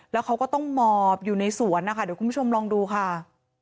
แล้วเขาก็ต้องหมอบอยู่ในสวนนะคะเดี๋ยวคุณผู้ชมลองดูค่ะ